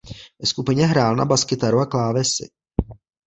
Ve skupině hrál na baskytaru a klávesy.